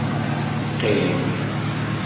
Qqim.